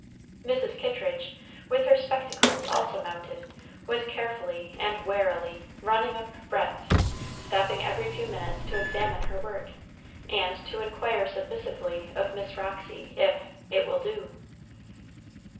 Mrs. Kittridge, with her spectacles also mounted, was carefully and warily "running up breadths," stopping every few minutes to examine her work, and to inquire submissively of Miss Roxy if "it will do?"